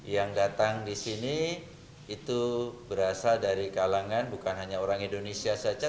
yang datang di sini itu berasal dari kalangan bukan hanya orang indonesia saja